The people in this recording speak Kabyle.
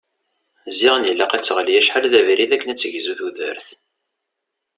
Ziɣen ilaq ad teɣli acḥal d abrid akken ad tegzu tudert.